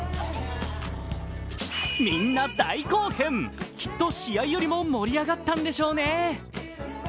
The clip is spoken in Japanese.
みんな大興奮、きっと試合よりも盛り上がったんでしょうね。